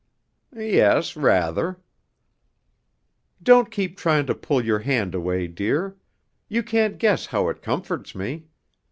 "Yes, rather." "Don't keep trying to pull your hand away, dear; you can't guess how it comforts me.